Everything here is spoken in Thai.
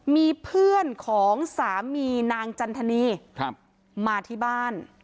มีเพื่อนของสามีนางจันทนีมาที่บ้าน